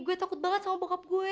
gue takut banget sama pocob gue